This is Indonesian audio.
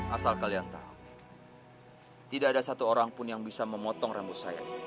asal kalian tahu tidak ada satu orang pun yang bisa memotong rambut saya